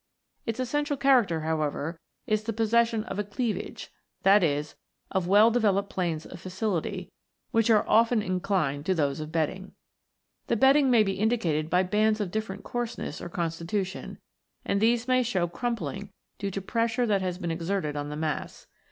Its essential character, however, is the possession of a "cleavage," that is, of well developed planes of fissility, which are often inclined to those of bedding. The bedding may be indicated by bands of different coarseness or constitution, and these may show crumpling due to pressure that has been exerted on the mass.